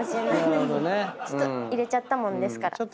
入れちゃったもんですから。